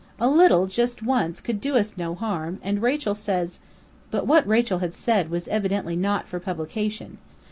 A little, just once, could do us no harm, and Rachel says " But what Rachel had said was evidently not for publication.